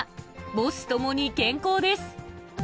母子共に健康です。